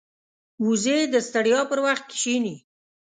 وزې د ستړیا پر وخت کښیني